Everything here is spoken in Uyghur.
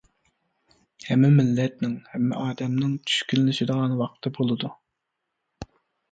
ھەممە مىللەتنىڭ، ھەممە ئادەمنىڭ چۈشكۈنلىشىدىغان ۋاقتى بولىدۇ.